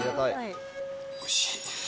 おいしい。